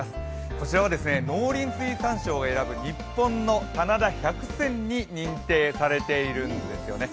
こちらは農林水産省が選ぶ日本の棚田百選に認定されています。